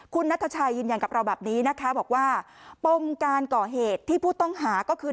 คุณนัทชัยยืนยันกับเราแบบนี้นะคะบอกว่าปมการก่อเหตุที่ผู้ต้องหาก็คือ